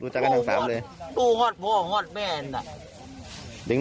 รู้จักกันทั้งสามเลยรู้หอดพ่อหอดแม่นอ่ะ